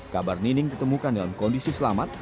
kabar nining ditemukan dalam kondisi selamat